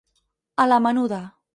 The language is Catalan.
A la menuda.